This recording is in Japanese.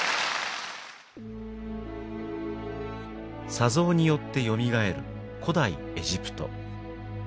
砂像によってよみがえる古代エジプト。